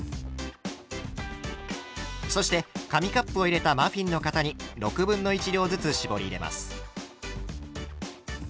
そして紙カップを入れたマフィンの型に６分の１量ずつ絞り入れます。